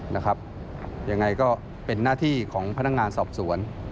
ยังไงก็เป็นหน้าที่ของพนักงานสอบสวน